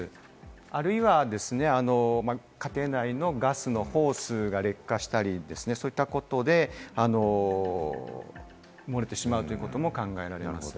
あるいは家庭内のガスのホースが劣化したり、そういったことで漏れてしまうということも考えられます。